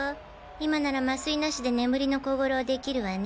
今なら麻酔なしで眠りの小五郎できるわね。